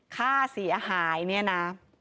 ค่าเสียหายเนี่ยนะ